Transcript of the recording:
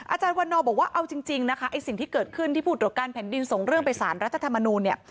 อาจารย์วันนอบอกว่าเอาจริงนะคะไอ้สิ่งที่เกิดขึ้นที่ผู้ตรวจการแผ่นดินส่งเรื่องไปสารรัฐธรรมนูลเนี่ย